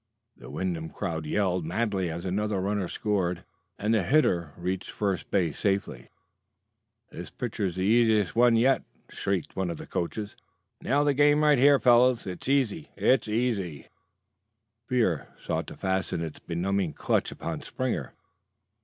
The Wyndham crowd yelled madly as another runner scored and the hitter reached first safely. "This pitcher's the easiest one yet!" shrieked one of the coachers. "Nail the game right here, fellows. It's easy! it's easy!" Fear sought to fasten its benumbing clutch upon Springer.